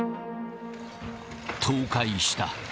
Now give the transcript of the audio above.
倒壊した。